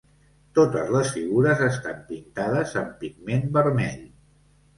Totes les figures estan pintades amb pigment vermell.